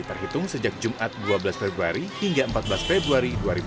terhitung sejak jumat dua belas februari hingga empat belas februari dua ribu dua puluh